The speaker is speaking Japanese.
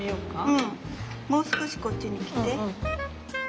うんもう少しこっちに来て。